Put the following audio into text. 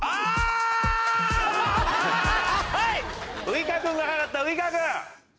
ウイカ君が早かったウイカ君。